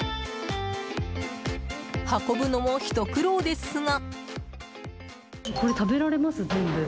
運ぶのもひと苦労ですが。